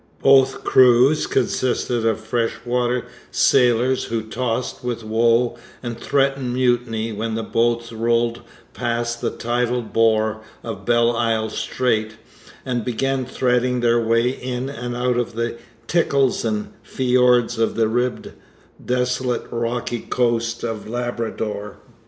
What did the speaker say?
Both crews consisted of freshwater sailors who tossed with woe and threatened mutiny when the boats rolled past the tidal bore of Belle Isle Strait and began threading their way in and out of the 'tickles' and fiords of the ribbed, desolate, rocky coast of Labrador.